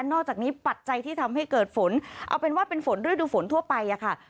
อกจากนี้ปัจจัยที่ทำให้เกิดฝนเอาเป็นว่าเป็นฝนฤดูฝนทั่วไปอะค่ะ